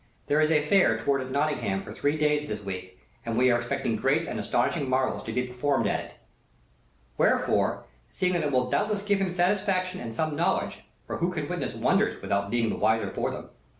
There is a Fair toward at Nottingham for three days of this week, and we are to expect great and astonishing marvels to be performed at it. "Wherefore, seeing that it will doubtless give him satisfaction and some knowledge (for who can witness wonders without being the wiser for them?)